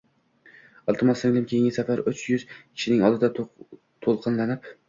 Iltimos, singlim, keyingi safar uch yuz kishining oldida to‘lqinlanib